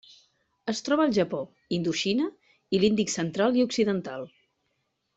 Es troba al Japó, Indoxina i l'Índic central i occidental.